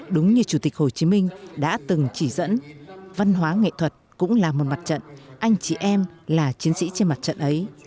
đúng như chủ tịch hồ chí minh đã từng chỉ dẫn văn hóa nghệ thuật cũng là một mặt trận anh chị em là chiến sĩ trên mặt trận ấy